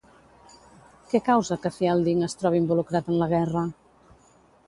Què causa que Fielding es trobi involucrat en la guerra?